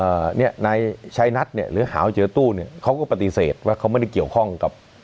เนี้ยนายชายนัทเนี่ยหรือหาวเจอตู้เนี่ยเขาก็ปฏิเสธว่าเขาไม่ได้เกี่ยวข้องกับ